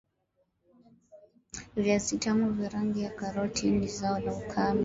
viazi vitamu vya rangi ya karoti ni zao la ukame